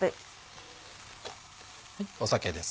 酒です。